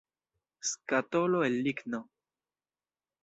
Skatolo el ligno.